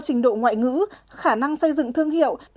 trình độ ngoại ngữ khả năng xây dựng thương hiệu